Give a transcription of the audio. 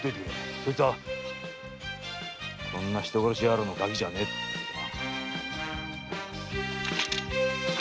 そいつはこんな人殺し野郎のガキじゃねぇとな。